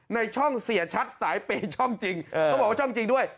ในช่องเสียชัดสายเปย์ช่องจริงเขาบอกว่าช่องจริงด้วย